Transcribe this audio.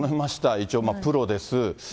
一応プロです。